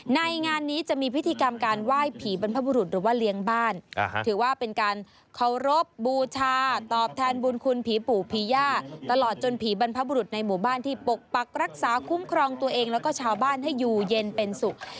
งานนี้จะมีพิธีกรรมการไหว้ผีบรรพบุรุษหรือว่าเลี้ยงบ้านถือว่าเป็นการเคารพบูชาตอบแทนบุญคุณผีปู่ผีย่าตลอดจนผีบรรพบุรุษในหมู่บ้านที่ปกปักรักษาคุ้มครองตัวเองแล้วก็ชาวบ้านให้อยู่เย็นเป็นสุข